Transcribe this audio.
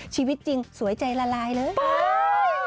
ชีวิตจริงสวยใจละลายเลย